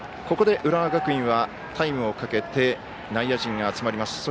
ここで浦和学院はタイムをかけて内野陣が集まります。